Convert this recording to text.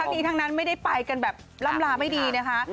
ทั้งนี้ทั้งนั้นไม่ได้ไปกันแบบล่ำลาไม่ดีนะคะ